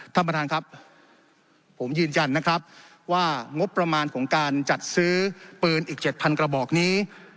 ท่านประธานครับผมยืนยันนะครับว่างบประมาณของการจัดซื้อปืนอีกเจ็ดพันกระบอกนี้